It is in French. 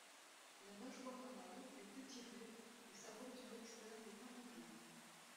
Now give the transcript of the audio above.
La nageoire anale est étirée et sa bordure externe est arrondie.